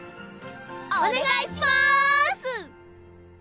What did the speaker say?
お願いします！